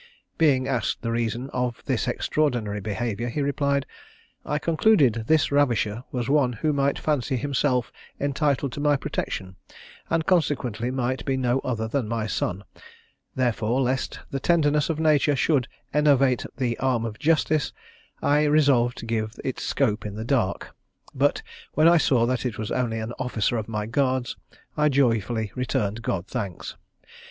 Being asked the reason of this extraordinary behaviour, he replied, "I concluded this ravisher was one who might fancy himself entitled to my protection, and consequently might be no other than my son; therefore, lest the tenderness of nature should enervate the arm of justice, I resolved to give it scope in the dark. But, when I saw that it was only an officer of my guards, I joyfully returned God thanks.